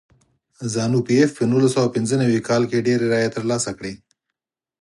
زانو پي ایف په نولس سوه پنځه نوي کال کې ډېرې رایې ترلاسه کړې.